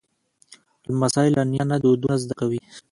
لمسی له نیا نه دودونه زده کوي.